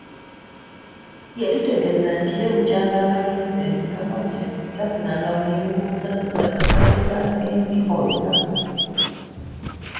"Yatutegeeza nti ye bukyanga amaliriza emisomo gye, tafunangako mulimu gumusasuza kakadde ka nsimbi olunaku."